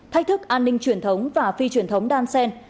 thách thức an ninh truyền thống và phi truyền thống đan sen